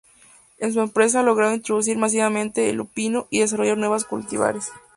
En su empresa ha logrado introducir masivamente el lupino y desarrollar nuevos cultivares.